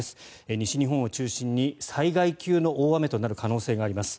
西日本を中心に災害級の大雨となる可能性があります。